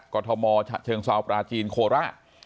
ก็ทมเชิงสาวประจีนโครล่ะ